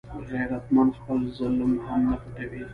غیرتمند خپل ظلم هم نه پټوي